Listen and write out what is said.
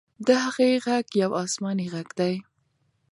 د هغې ږغ یو آسماني ږغ دی.